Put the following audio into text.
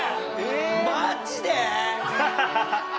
マジで！？